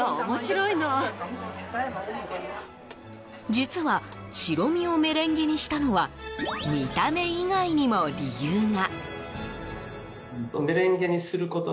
実は、白身をメレンゲにしたのは見た目以外にも理由が。